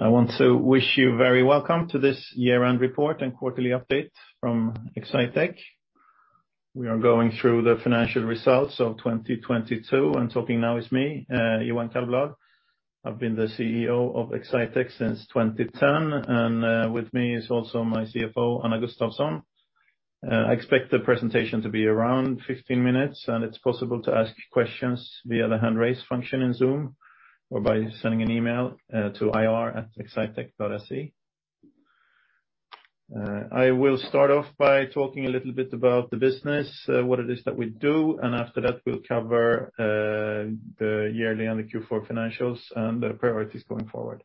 I want to wish you very welcome to this year-end report and quarterly update from Exsitec. We are going through the financial results of 2022. Talking now is me, Johan Kallblad. I've been the CEO of Exsitec since 2010. With me is also my CFO, Anna Gustafsson. I expect the presentation to be around 15 minutes. It's possible to ask questions via the hand raise function in Zoom, or by sending an email to ir@exsitec.se. I will start off by talking a little bit about the business, what it is that we do. After that, we'll cover the yearly and the Q4 financials and the priorities going forward.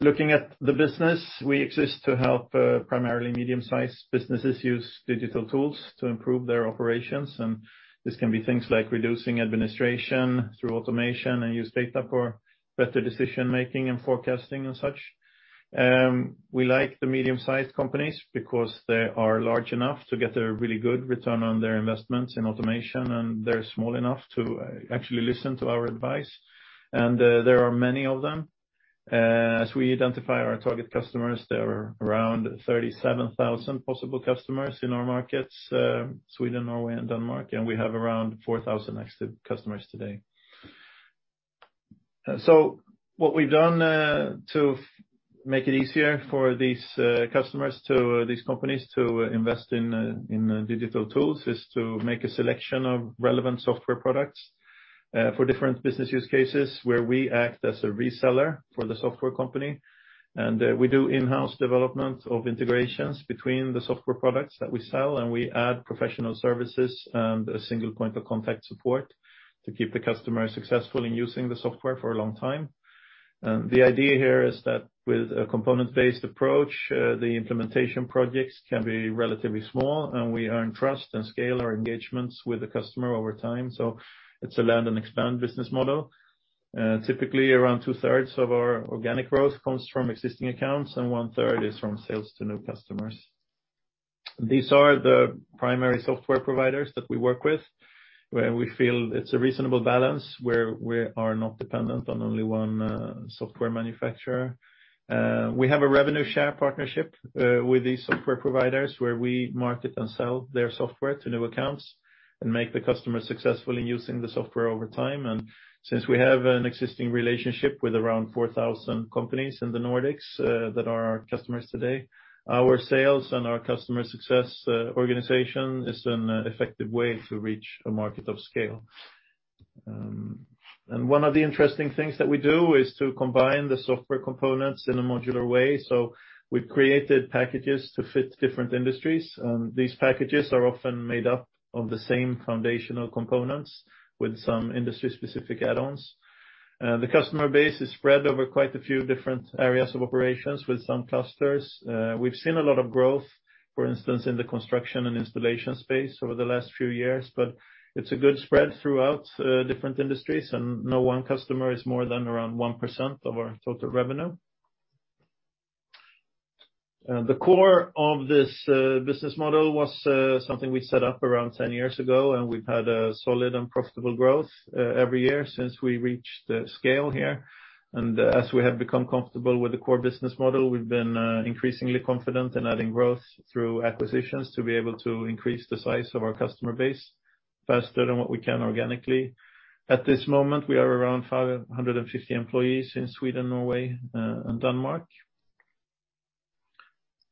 Looking at the business, we exist to help primarily medium-sized businesses use digital tools to improve their operations. This can be things like reducing administration through automation and use data for better decision-making and forecasting and such. We like the medium-sized companies because they are large enough to get a really good return on their investments in automation, and they're small enough to actually listen to our advice. There are many of them. As we identify our target customers, there are around 37,000 possible customers in our markets, Sweden, Norway, and Denmark, and we have around 4,000 active customers today. So what we've done to make it easier for these companies to invest in digital tools is to make a selection of relevant software products for different business use cases where we act as a reseller for the software company. We do in-house development of integrations between the software products that we sell, and we add professional services and a single point of contact support to keep the customer successful in using the software for a long time. T He idea here is that with a component-based approach, the implementation projects can be relatively small, and we earn trust and scale our engagements with the customer over time. It's a land and expand business model. Typically, around 2/3 of our organic growth comes from existing accounts, and 1/3 is from sales to new customers. These are the primary software providers that we work with, where we feel it's a reasonable balance where we are not dependent on only one software manufacturer. We have a revenue share partnership with these software providers where we market and sell their software to new accounts and make the customer successful in using the software over time. Since we have an existing relationship with around 4,000 companies in the Nordics that are our customers today, our sales and our customer success organization is an effective way to reach a market of scale. One of the interesting things that we do is to combine the software components in a modular way. We've created packages to fit different industries. These packages are often made up of the same foundational components with some industry-specific add-ons. The customer base is spread over quite a few different areas of operations with some clusters. We've seen a lot of growth, for instance, in the construction and installation space over the last few years, but it's a good spread throughout different industries, and no one customer is more than around 1% of our total revenue. The core of this business model was something we set up around 10 years ago, and we've had a solid and profitable growth every year since we reached the scale here. As we have become comfortable with the core business model, we've been increasingly confident in adding growth through acquisitions to be able to increase the size of our customer base faster than what we can organically. At this moment, we are around 550 employees in Sweden, Norway, and Denmark.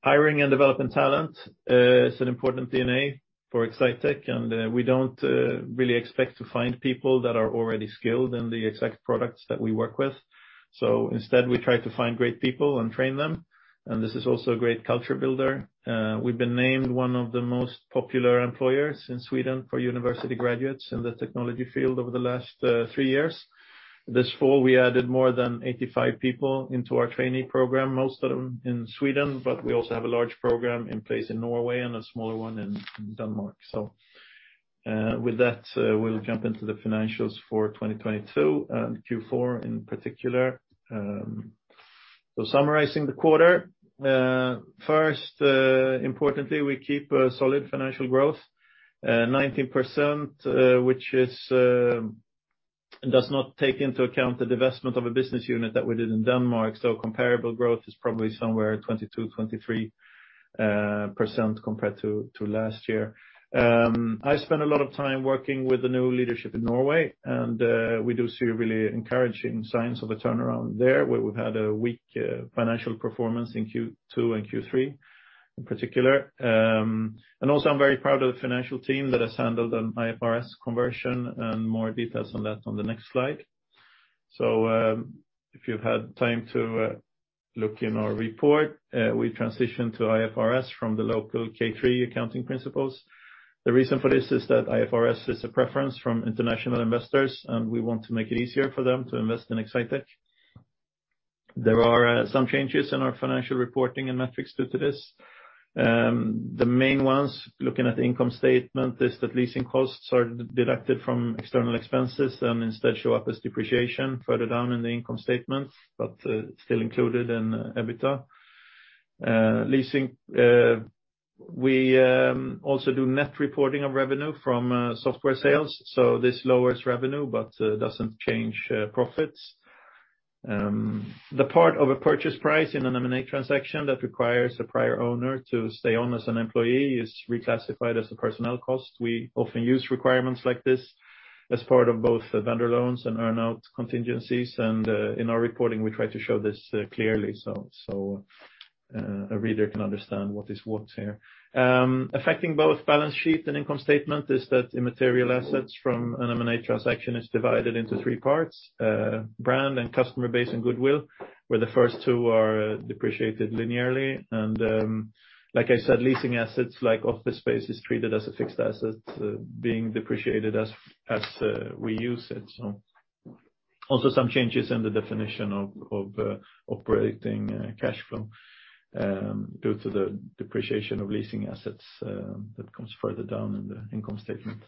Hiring and developing talent is an important DNA for Exsitec, and we don't really expect to find people that are already skilled in the exact products that we work with. Instead, we try to find great people and train them, and this is also a great culture builder. We've been named one of the most popular employers in Sweden for university graduates in the technology field over the last three years. This fall, we added more than 85 people into our trainee program, most of them in Sweden, but we also have a large program in place in Norway and a smaller one in Denmark. With that, we'll jump into the financials for 2022 and Q4 in particular. Summarizing the quarter, importantly, we keep a solid financial growth, 19%, does not take into account the divestment of a business unit that we did in Denmark. Comparable growth is probably somewhere 22-23% compared to last year. I spent a lot of time working with the new leadership in Norway, we do see really encouraging signs of a turnaround there, where we've had a weak financial performance in Q2 and Q3 in particular. I'm very proud of the financial team that has handled an IFRS conversion, more details on that on the next slide. If you've had time to look in our report, we transitioned to IFRS from the local K3 accounting principles. The reason for this is that IFRS is a preference from international investors, and we want to make it easier for them to invest in Exsitec. There are some changes in our financial reporting and metrics due to this. The main ones, looking at the income statement, is that leasing costs are deducted from external expenses and instead show up as depreciation further down in the income statements, but still included in EBITDA. Leasing. We also do net reporting of revenue from software sales. This lowers revenue but doesn't change profits. The part of a purchase price in an M&A transaction that requires a prior owner to stay on as an employee is reclassified as a personnel cost. We often use requirements like this as part of both the vendor loans and earn-out contingencies, and in our reporting, we try to show this clearly so a reader can understand what is what here. Affecting both balance sheet and income statement is that immaterial assets from an M&A transaction is divided into three parts, brand and customer base and goodwill, where the first two are depreciated linearly and, like I said, leasing assets like office space is treated as a fixed asset, being depreciated as we use it. Also some changes in the definition of operating cash flow due to the depreciation of leasing assets that comes further down in the income statement.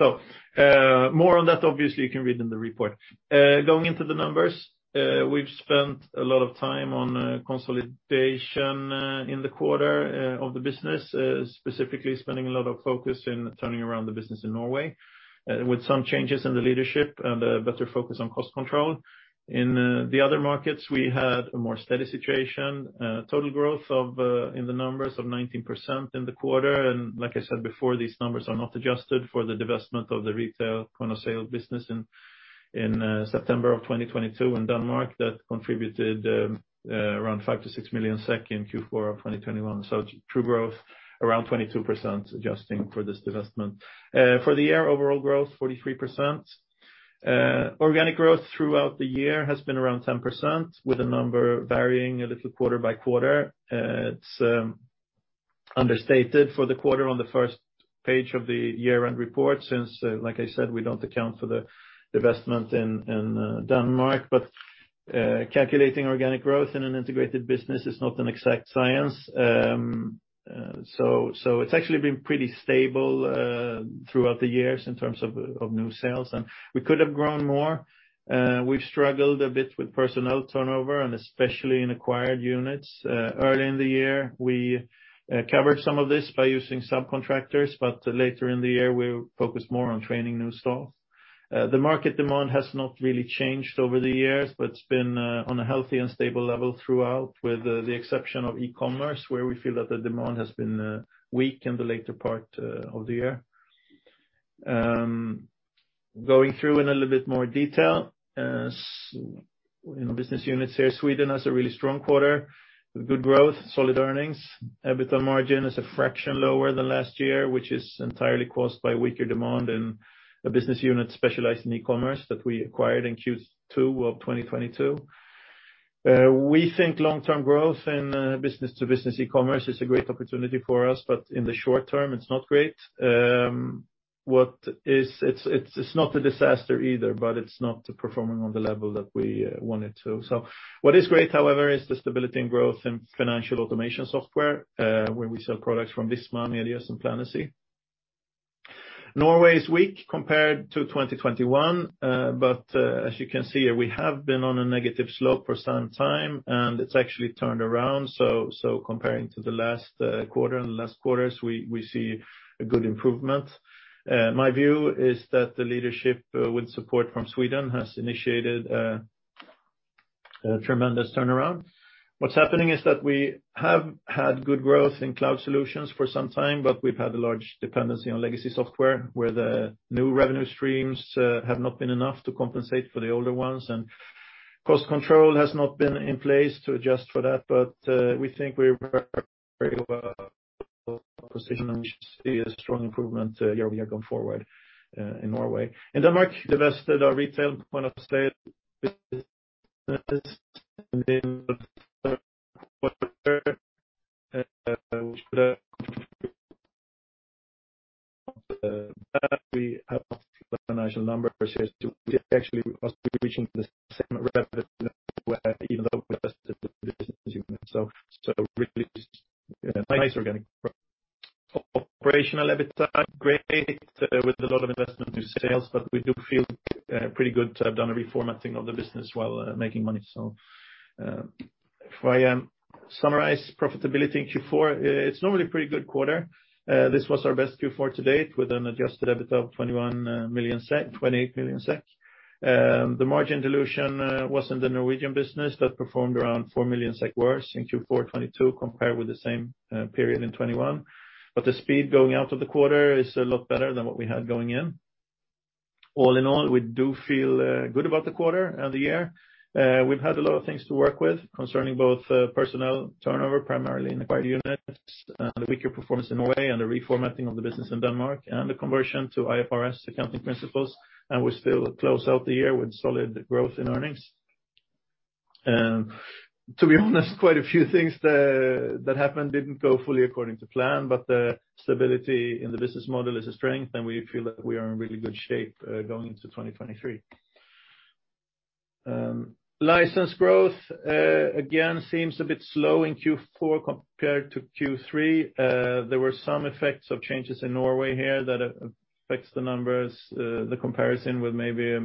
More on that, obviously you can read in the report. Going into the numbers, we've spent a lot of time on consolidation in the quarter of the business, specifically spending a lot of focus in turning around the business in Norway with some changes in the leadership and a better focus on cost control. In the other markets, we had a more steady situation, total growth of in the numbers of 19% in the quarter. Like I said before, these numbers are not adjusted for the divestment of the retail point of sale business in September of 2022 in Denmark that contributed around 5 million-6 million SEK in Q4 of 2021. True growth around 22% adjusting for this divestment. For the year, overall growth 43%. Organic growth throughout the year has been around 10%, with a number varying a little quarter by quarter. It's understated for the quarter on the first page of the year-end report since, like I said, we don't account for the divestment in Denmark. Calculating organic growth in an integrated business is not an exact science. So it's actually been pretty stable throughout the years in terms of new sales. We could have grown more. We've struggled a bit with personnel turnover and especially in acquired units. Early in the year, we covered some of this by using subcontractors, but later in the year, we focused more on training new staff. The market demand has not really changed over the years, but it's been on a healthy and stable level throughout, with the exception of e-commerce, where we feel that the demand has been weak in the later part of the year. Going through in a little bit more detail, business units here, Sweden has a really strong quarter with good growth, solid earnings. EBITDA margin is a fraction lower than last year, which is entirely caused by weaker demand in a business unit specialized in e-commerce that we acquired in Q2 of 2022. We think long-term growth in business-to-business e-commerce is a great opportunity for us, but in the short term it's not great. It's not a disaster either, but it's not performing on the level that we want it to. What is great, however, is the stability and growth in financial automation software, where we sell products from Visma, Medius and Planacy. Norway is weak compared to 2021, as you can see here, we have been on a negative slope for some time, and it's actually turned around. Comparing to the last quarter and last quarters, we see a good improvement. My view is that the leadership, with support from Sweden, has initiated tremendous turnaround. What's happening is that we have had good growth in cloud solutions for some time, but we've had a large dependency on legacy software, where the new revenue streams have not been enough to compensate for the older ones. Cost control has not been in place to adjust for that. We think we're a strong improvement year-over-year going forward in Norway. In Denmark, divested our retail point of sale business we have actual numbers. We actually reaching the same revenue nice organic growth. Operational EBITDA, great with a lot of investment in sales, we do feel pretty good to have done a reformatting of the business while making money. If I summarize profitability in Q4, it's normally a pretty good quarter. This was our best Q4 to date, with an adjusted EBITDA of 28 million SEK. The margin dilution was in the Norwegian business that performed around 4 million SEK worse in Q4 2022 compared with the same period in 2021. The speed going out of the quarter is a lot better than what we had going in. All in all, we do feel good about the quarter and the year. We've had a lot of things to work with concerning both personnel turnover, primarily in acquired units, the weaker performance in Norway and the reformatting of the business in Denmark and the conversion to IFRS accounting principles, and we still close out the year with solid growth in earnings. To be honest, quite a few things that happened didn't go fully according to plan, but the stability in the business model is a strength, and we feel that we are in really good shape going into 2023. License growth again seems a bit slow in Q4 compared to Q3. There were some effects of changes in Norway here that affects the numbers, the comparison with maybe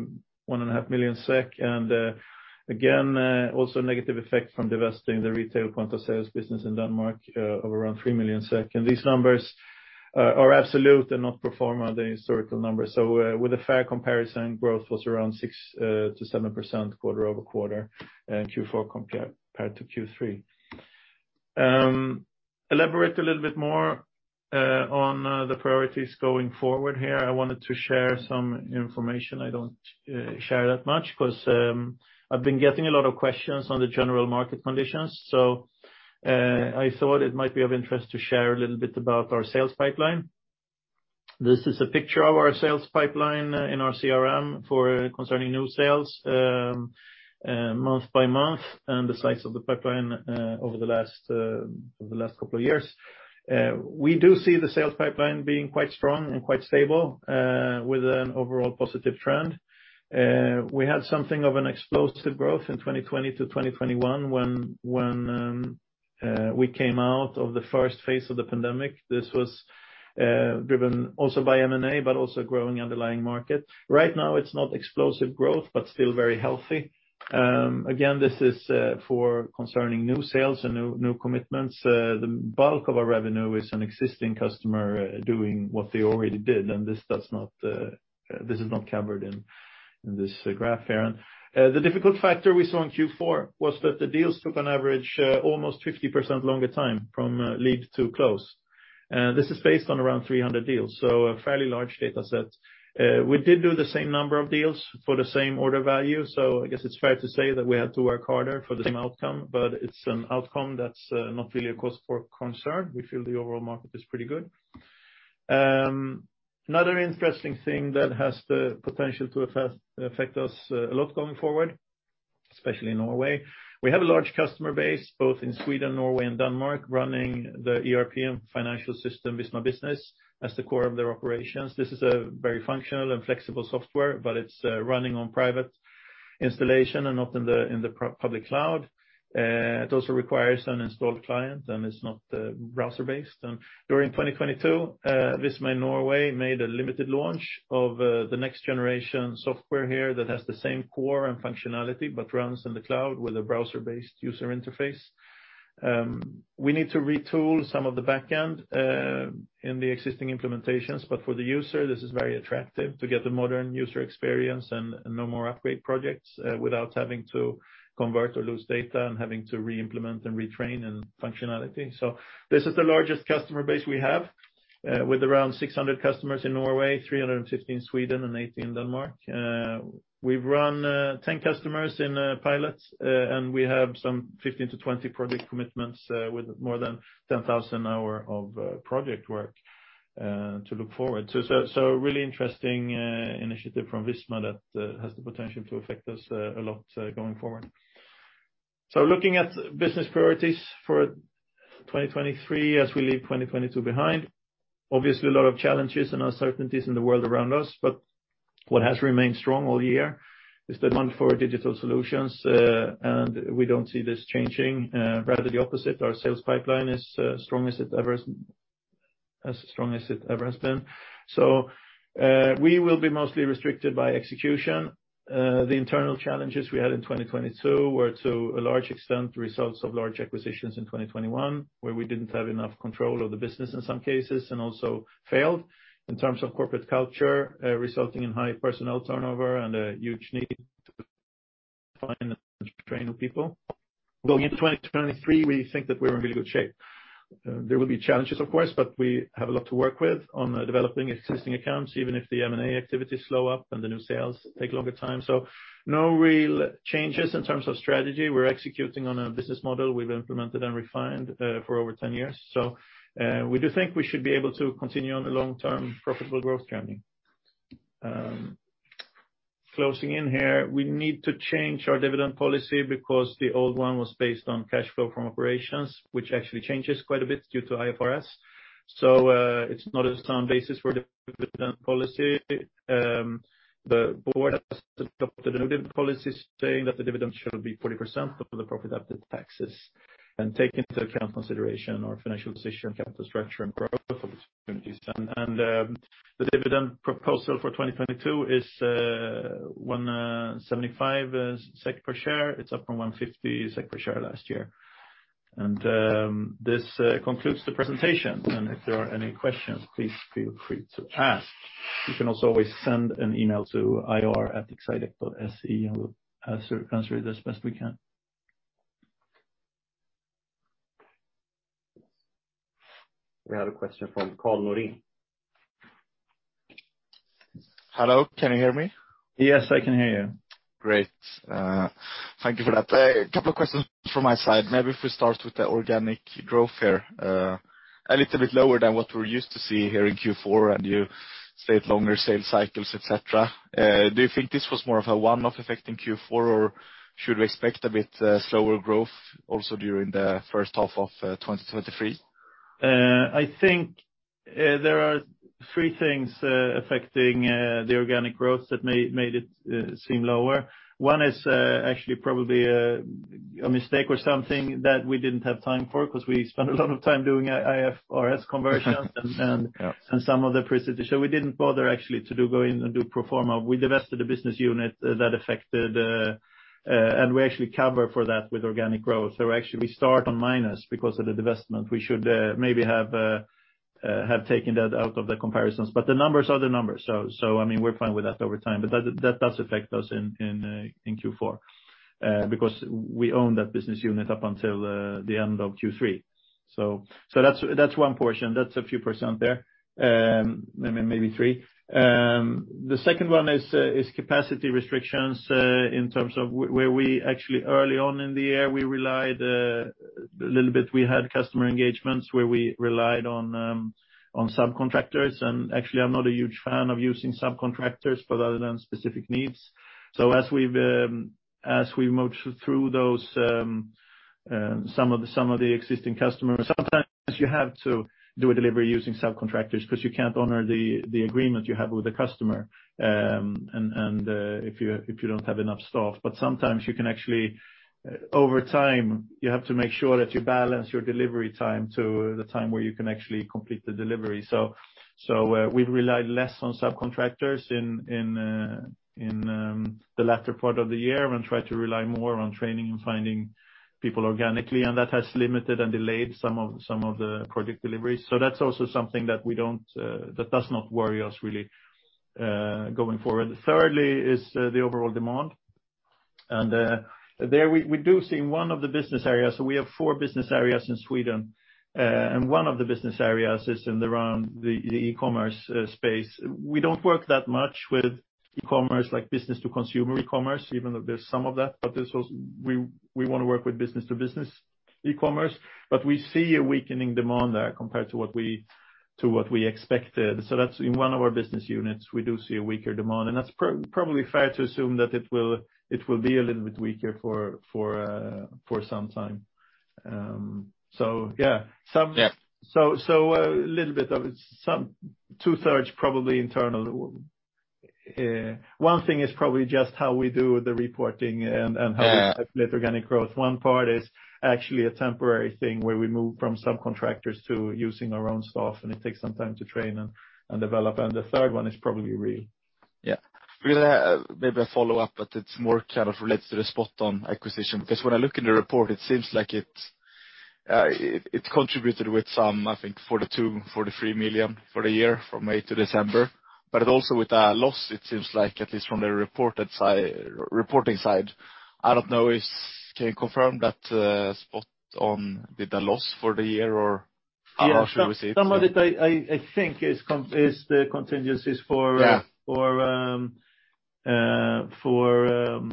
one and a half million SEK. Again, also negative effect from divesting the retail point-of-sales business in Denmark, of around 3 million SEK. These numbers are absolute and not pro forma, they're historical numbers. With a fair comparison, growth was around 6%-7% quarter-over-quarter, Q4 compared to Q3. Elaborate a little bit more on the priorities going forward here. I wanted to share some information I don't share that much 'cause I've been getting a lot of questions on the general market conditions. I thought it might be of interest to share a little bit about our sales pipeline. This is a picture of our sales pipeline in our CRM for concerning new sales, month by month, and the size of the pipeline over the last couple of years. We do see the sales pipeline being quite strong and quite stable with an overall positive trend. We had something of an explosive growth in 2020 to 2021 when we came out of the first phase of the pandemic. This was driven also by M&A, but also growing underlying market. Right now it's not explosive growth, but still very healthy. Again, this is for concerning new sales and new commitments. The bulk of our revenue is an existing customer, doing what they already did, and this does not, this is not covered in this graph here. The difficult factor we saw in Q4 was that the deals took on average, almost 50% longer time from, lead to close. This is based on around 300 deals, so a fairly large data set. We did do the same number of deals for the same order value, so I guess it's fair to say that we had to work harder for the same outcome, but it's an outcome that's not really a cause for concern. We feel the overall market is pretty good. Another interesting thing that has the potential to affect us a lot going forward, especially in Norway, we have a large customer base both in Sweden, Norway, and Denmark, running the ERP and financial system Visma Business as the core of their operations. This is a very functional and flexible software, but it's running on private installation and not in the public cloud. It also requires an installed client, and it's not browser-based. During 2022, Visma Norway made a limited launch of the next generation software here that has the same core and functionality, but runs in the cloud with a browser-based user interface. We need to retool some of the back-end in the existing implementations, but for the user, this is very attractive to get the modern user experience and no more upgrade projects without having to convert or lose data and having to re-implement and retrain in functionality. This is the largest customer base we have with around 600 customers in Norway, 350 in Sweden, and 80 in Denmark. We've run 10 customers in pilots, and we have some 15-20 project commitments with more than 10,000 hour of project work to look forward to. A really interesting initiative from Visma that has the potential to affect us a lot going forward. Looking at business priorities for 2023 as we leave 2022 behind, obviously a lot of challenges and uncertainties in the world around us, but what has remained strong all year is the demand for digital solutions, and we don't see this changing. Rather the opposite, our sales pipeline is strong as it ever has been. We will be mostly restricted by execution. The internal challenges we had in 2022 were to a large extent results of large acquisitions in 2021, where we didn't have enough control of the business in some cases, and also failed in terms of corporate culture, resulting in high personnel turnover and a huge need to find and train new people. Going into 2023, we think that we're in really good shape. There will be challenges, of course. We have a lot to work with on developing existing accounts, even if the M&A activities slow up and the new sales take longer time. No real changes in terms of strategy. We're executing on a business model we've implemented and refined for over 10 years. We do think we should be able to continue on the long-term profitable growth journey. Closing in here, we need to change our dividend policy because the old one was based on cash flow from operations, which actually changes quite a bit due to IFRS. It's not a sound basis for dividend policy. The board has adopted a new dividend policy stating that the dividend shall be 40% of the profit after taxes and take into account consideration our financial position, capital structure, and growth opportunities. The dividend proposal for 2022 is 1.75 SEK per share. It's up from 1.50 SEK per share last year. This concludes the presentation. If there are any questions, please feel free to ask. You can also always send an email to ir@exsitec.se and we'll sort of answer it as best we can. We have a question from Carl Norin. Hello, can you hear me? Yes, I can hear you. Great. Thank you for that. A couple of questions from my side. Maybe if we start with the organic growth here. A little bit lower than what we're used to see here in Q4, and you state longer sales cycles, et cetera. Do you think this was more of a one-off effect in Q4, or should we expect a bit, slower growth also during the first half of, 2023? I think there are three things affecting the organic growth that made it seem lower. One is actually probably a mistake or something that we didn't have time for, 'cause we spent a lot of time doing IFRS conversion. Yeah Some other processes. We didn't bother actually to go in and do pro forma. We divested a business unit that affected, and we actually cover for that with organic growth. Actually we start on minus because of the divestment. We should maybe have taken that out of the comparisons. The numbers are the numbers, so I mean, we're fine with that over time. That does affect us in Q4 because we own that business unit up until the end of Q3. That's one portion. That's a few % there. Maybe three. The second one is capacity restrictions, in terms of where we actually early on in the year, we relied a little bit, we had customer engagements where we relied on subcontractors. Actually, I'm not a huge fan of using subcontractors for other than specific needs. As we've as we moved through those, some of the existing customers, sometimes you have to do a delivery using subcontractors because you can't honor the agreement you have with the customer, and if you don't have enough staff. Sometimes you can actually. Over time, you have to make sure that you balance your delivery time to the time where you can actually complete the delivery. We've relied less on subcontractors in the latter part of the year and try to rely more on training and finding people organically, and that has limited and delayed some of the project deliveries. So that's also something that we don't that does not worry us really going forward. Thirdly is the overall demand. And there we do see in one of the business areas, so we have four business areas in Sweden, and one of the business areas is in around the e-commerce space. We don't work that much with e-commerce like business to consumer e-commerce, even though there's some of that, but this was we want to work with business to business e-commerce. But we see a weakening demand there compared to what we to what we expected. That's in one of our business units, we do see a weaker demand. That's probably fair to assume that it will be a little bit weaker for some time. Yeah. Yeah. So a little bit of some two-thirds probably internal. One thing is probably just how we do the reporting and how we calculate organic growth. One part is actually a temporary thing where we move from subcontractors to using our own staff, and it takes some time to train and develop. The third one is probably real. Yeah. Really, maybe a follow-up, but it's more kind of relates to the Spot-On acquisition, because when I look in the report, it seems like it contributed with some, I think 42 million-43 million for the year from May to December. Also with a loss, it seems like, at least from the reporting side. I don't know if you can confirm that Spot-On with the loss for the year or how should we see it? Yeah. Some of it I think is the contingencies for. Yeah For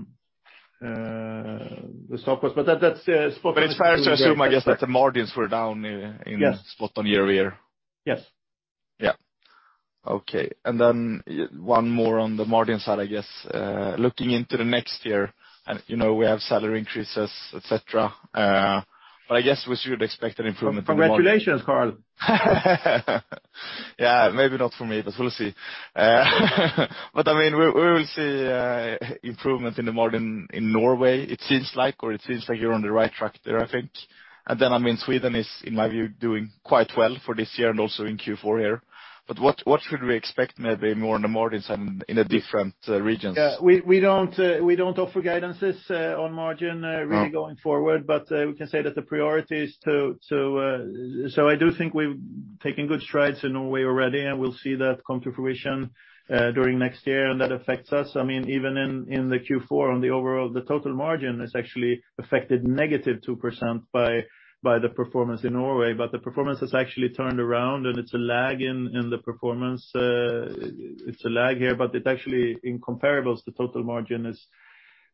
the softwares. That's Spot-On It's fair to assume, I guess, that the margins were down in. Yes Spot-On year-over-year. Yes. Yeah. Okay. One more on the margin side, I guess. Looking into the next year, we have salary increases, et cetera, I guess we should expect an improvement in the margin. Congratulations, Carl. Maybe not for me, but we'll see. We will see improvement in the margin in Norway, it seems like, or it seems like you're on the right track there, I think. I mean, Sweden is, in my view, doing quite well for this year and also in Q4 here. What should we expect maybe more in the margins in the different regions? Yeah. We don't offer guidances on margin. Mm-hmm Really going forward, but we can say that the priority is to. I do think we've taken good strides in Norway already, and we'll see that come to fruition during next year. That affects us. I mean, even in the Q4 on the overall, the total margin is actually affected negative 2% by the performance in Norway. The performance has actually turned around, and it's a lag in the performance. It's a lag here, but it actually, in comparables, the total margin is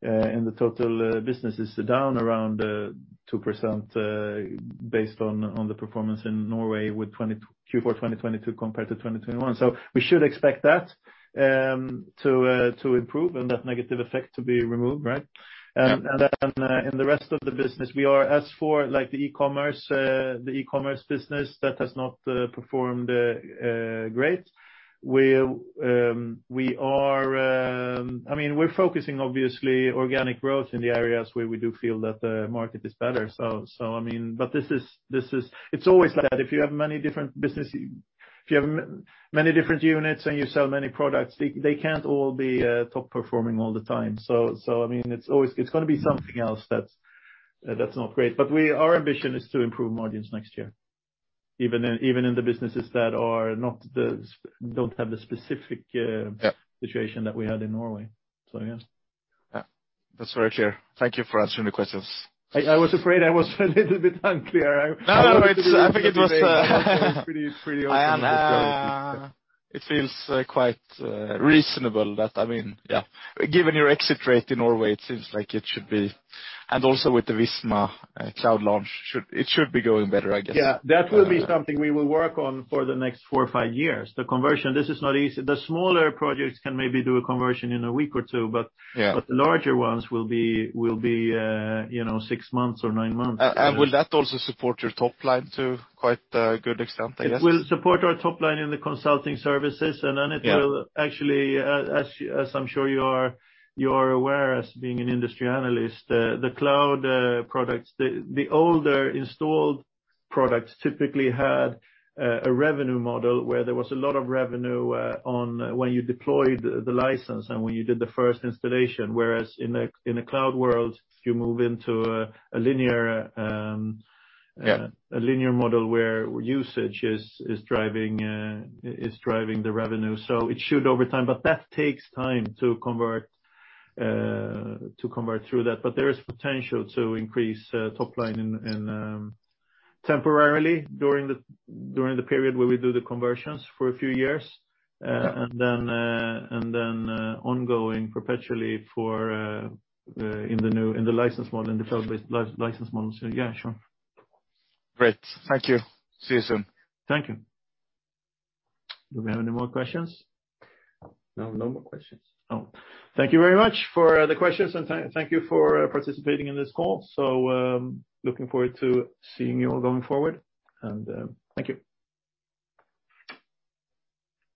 in the total business is down around 2% based on the performance in Norway with Q4 2022 compared to 2021. We should expect that to improve and that negative effect to be removed, right? Yeah. In the rest of the business, we are as for like the e-commerce, the e-commerce business, that has not performed great. We are, I mean, we're focusing obviously organic growth in the areas where we do feel that the market is better. I mean, but this is, it's always like that. If you have many different business, if you have many different units and you sell many products, they can't all be top performing all the time. I mean, it's going to be something else that's not great. Our ambition is to improve margins next year, even in the businesses that are not the don't have the specific. Yeah Situation that we had in Norway. Yeah. Yeah. That's very clear. Thank you for answering the questions. I was afraid I was a little bit unclear. No, no, it's I think it was Pretty open. It feels, quite, reasonable that, I mean, yeah. Given your exit rate in Norway, it seems like it should be. Also with the Visma, cloud launch, it should be going better, I guess. Yeah. That will be something we will work on for the next 4 or 5 years. The conversion. This is not easy. The smaller projects can maybe do a conversion in a week or 2. Yeah The larger ones will be, six months or nine months. Will that also support your top line to quite a good extent, I guess? It will support our top line in the consulting services. Yeah Actually, as I'm sure you are aware as being an industry analyst, the cloud products, the older installed products typically had a revenue model where there was a lot of revenue on when you deployed the license and when you did the first installation. Whereas in a cloud world, you move into a linear. Yeah A linear model where usage is driving the revenue. It should over time, but that takes time to convert, to convert through that. There is potential to increase top line in temporarily during the period where we do the conversions for a few years. Yeah Then, ongoing perpetually for, in the new, in the license model, in the cloud-based license model. Yeah, sure. Great. Thank you. See you soon. Thank you. Do we have any more questions? No more questions. Thank you very much for the questions, and thank you for participating in this call. Looking forward to seeing you all going forward. Thank you.